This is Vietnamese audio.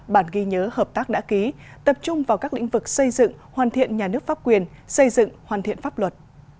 bản ghi nhớ hợp tác đã ký tập trung vào các lĩnh vực xây dựng hoàn thiện nhà nước pháp quyền xây dựng hoàn thiện pháp luật